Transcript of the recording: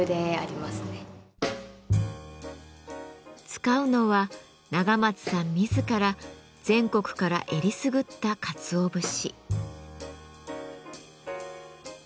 使うのは永松さん自ら全国から選りすぐったかつお節。